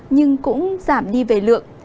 nhưng cũng giảm đi về lượng